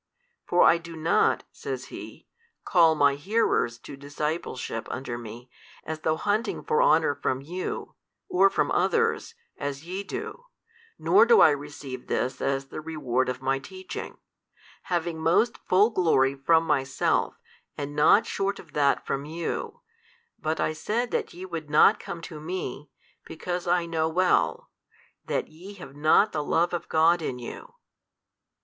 For I do not (says He) call My hearers to discipleship under Me, as though hunting for honour from you, or from others, as YE do, nor do I receive this as the reward of My teaching, having most full glory from Myself, and not short of that from you, but I said that ye would not come to Me, because I know well, that ye have not the love of God in you.